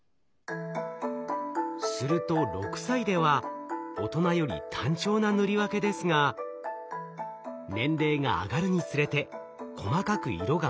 すると６歳では大人より単調な塗り分けですが年齢が上がるにつれて細かく色が分かれます。